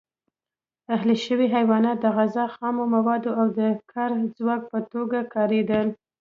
اهلي شوي حیوانات د غذا، خامو موادو او د کار ځواک په توګه کارېدل.